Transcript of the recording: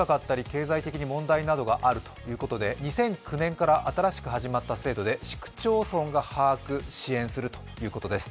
経済的に問題があるということで２００９年から新しく始まった制度で市区町村が把握・支援するということです。